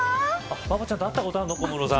バボちゃんと会ったことあるの小室さん。